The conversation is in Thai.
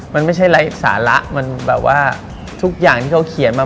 มันไม่ใช่ไร้สาระมันแบบว่าทุกอย่างที่เขาเขียนมา